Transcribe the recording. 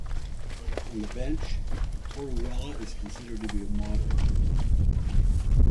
On the bench, Torruella is considered to be a moderate.